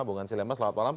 bung ansi lema selamat malam